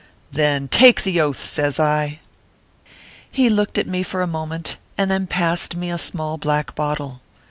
" Then take the Oath," says I. He looked at me for a moment, and then passed me a small black bottle.